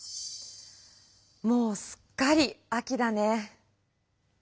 もうすっかり秋だね。